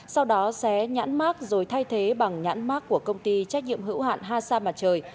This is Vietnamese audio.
sau đó xé nhãn mát rồi thay thế bằng nhãn mát của công ty trách nhiệm hữu hạn hasa mặt trời